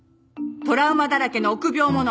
トラウマだらけの臆病者